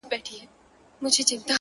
o له هغه وخته مو خوښي ليدلې غم نه راځي ـ